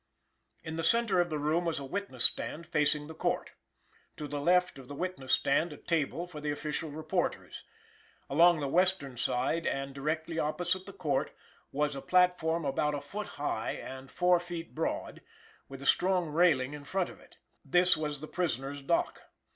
In the centre of the room was a witness stand facing the Court. To the left of the witness stand a table for the official reporters. Along the western side and directly opposite the Court was a platform about a foot high and four feet broad, with a strong railing in front of it. This was the prisoners' dock.